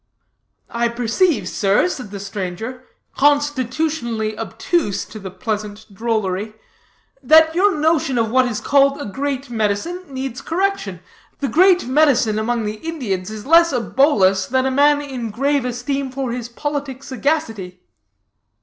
"I perceive, sir," said the stranger, constitutionally obtuse to the pleasant drollery, "that your notion, of what is called a Great Medicine, needs correction. The Great Medicine among the Indians is less a bolus than a man in grave esteem for his politic sagacity."